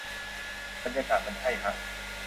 บรรยากาศมันใช่ฮะ